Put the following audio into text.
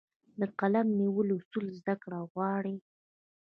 د قلم نیولو اصول زده کړه غواړي.